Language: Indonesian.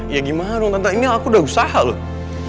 ya gimana dong tentang ini aku udah usaha loh